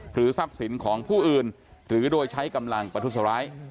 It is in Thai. ทรัพย์สินของผู้อื่นหรือโดยใช้กำลังประทุษร้าย